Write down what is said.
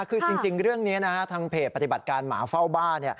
คือจริงเรื่องนี้ทางเพจปฏิบัติการหมาเฝ้าบ้าน